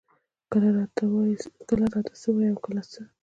کله راته څۀ وائي او کله څۀ ـ